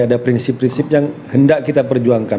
ada prinsip prinsip yang hendak kita perjuangkan